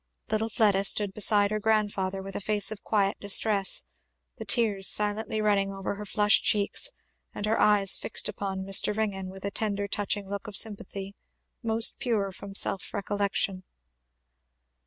Little Fleda stood beside her grandfather with a face of quiet distress; the tears silently running over her flushed cheeks, and her eyes fixed upon Mr. Ringgan with a tender touching look of sympathy, most pure from self recollection.